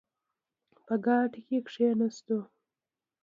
په ګاډۍ کې کښېناستلو.